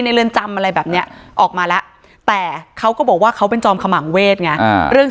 ใน์จำมันอะไรแบบเนี่ยออกมาแล้วแต่เขาก็บอกว่าเขาเป็นจมขมังเวทยังเออเรื่อง